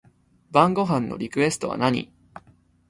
晩ご飯のリクエストは何